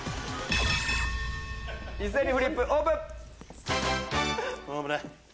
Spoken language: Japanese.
一斉にフリップオープン！